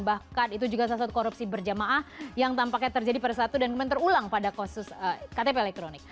bahkan itu juga salah satu korupsi berjamaah yang tampaknya terjadi pada satu dan kemudian terulang pada kasus ktp elektronik